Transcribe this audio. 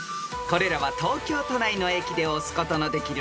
［これらは東京都内の駅で押すことのできる